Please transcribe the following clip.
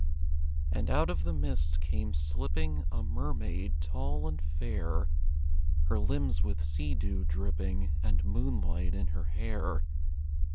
And out of the mist came slipping A mermaid, tall and fair; Her limbs with sea dew dripping, And moonlight in her hair.